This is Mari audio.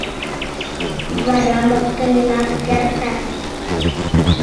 Вара моктаненат кертат.